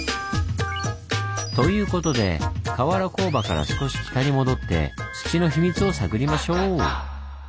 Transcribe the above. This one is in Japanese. ということで瓦工場から少し北に戻って土の秘密を探りましょう！